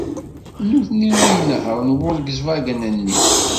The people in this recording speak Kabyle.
D nitni ad inehṛen Volkswagen-nni.